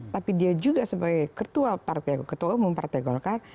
tapi dia juga sebagai ketua umum partai golkar